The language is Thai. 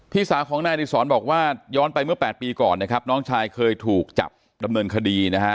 สาวของนายอดีศรบอกว่าย้อนไปเมื่อ๘ปีก่อนนะครับน้องชายเคยถูกจับดำเนินคดีนะฮะ